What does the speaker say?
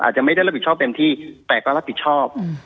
อาจจะไม่ได้รับผิดชอบเต็มที่แต่ก็รับผิดชอบ